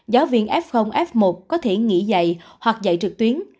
giáo viên f f một có thể nghỉ dạy hoặc dạy trực tuyến